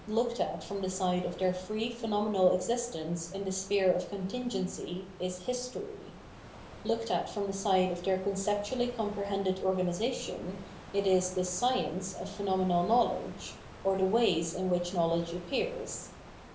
Absolute Knowledge 823 at from the side of their free phenomenal existence in the sphere of contingency, is History \ looked at from the side of their conceptually comprehended organisation, it is the Science of phenomenal knowledge, of the ways in which knowledge appears.